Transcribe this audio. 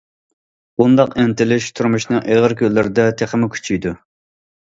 بۇنداق ئىنتىلىش تۇرمۇشنىڭ ئېغىر كۈنلىرىدە تېخىمۇ كۈچىيىدۇ.